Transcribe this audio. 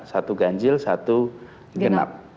satu ganjil satu genap